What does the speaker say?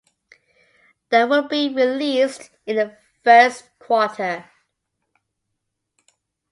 That will be released in the first quarter.